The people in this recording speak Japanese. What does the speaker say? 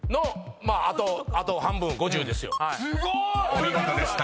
［お見事でした。